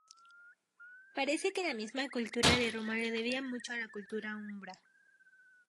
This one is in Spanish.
Parece que la misma cultura de Roma le debía mucho a la cultura umbra.